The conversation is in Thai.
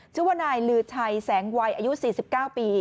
ชื่อว่านายลือชัยแสงวัยอายุ๔๙ปี